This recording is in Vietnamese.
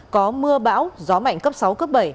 có mưa bão gió mạnh cấp sáu cấp bảy